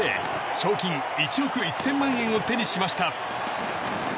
賞金１億１０００万円を手にしました。